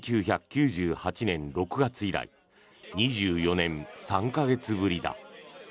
１９９８年６月以来２４年３か月ぶりだ。